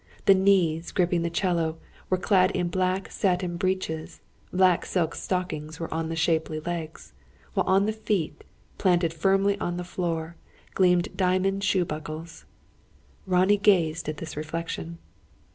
The knees, gripping the 'cello, were clad in black satin breeches, black silk stockings were on the shapely legs; while on the feet, planted firmly upon the floor, gleamed diamond shoe buckles. Ronnie gazed at this reflection.